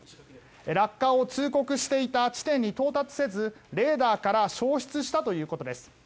落下を通告していた地点に到達せずレーダーから消失したということです。